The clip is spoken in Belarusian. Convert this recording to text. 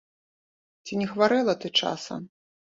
Ці не хварэла ты часам?